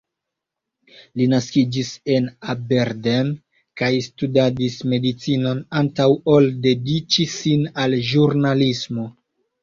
Li naskiĝis en Aberdeen, kaj studadis medicinon antaŭ ol dediĉi sin al ĵurnalismo.